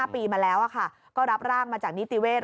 ๕ปีมาแล้วก็รับร่างมาจากนิติเวศ